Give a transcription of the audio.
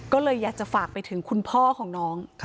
ก็เลยอยากจะฝากไปถึงคุณพ่อของน้อง